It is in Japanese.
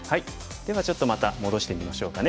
ではちょっとまた戻してみましょうかね。